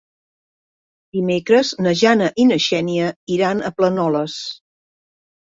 Dimecres na Jana i na Xènia iran a Planoles.